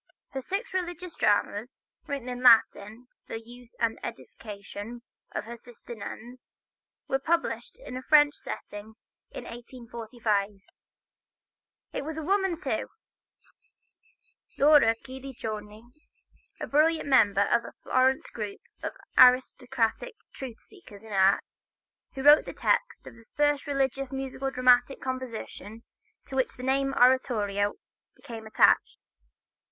Her six religious dramas, written in Latin for the use and edification of her sister nuns, were published in a French setting, in 1845. It was a woman, too, Laura Guidiccioni, a brilliant member of the Florence group of aristocratic truth seekers in art, who wrote the text of the first religious musical dramatic composition to which the name oratorio became attached.